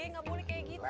gak boleh kayak gitu be